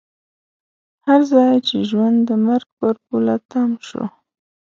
هر ځای چې ژوند د مرګ پر پوله تم شو.